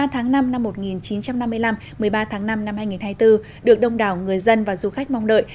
một mươi tháng năm năm một nghìn chín trăm năm mươi năm một mươi ba tháng năm năm hai nghìn hai mươi bốn được đông đảo người dân và du khách mong đợi